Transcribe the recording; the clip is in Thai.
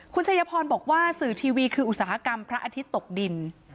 คุณชัยพรบอกว่าสื่อทีวีคืออุตสาหกรรมพระอาทิตย์ตกดิน